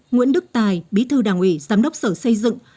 nguyễn đức tài bí thư đảng ủy giám đốc sở xây dựng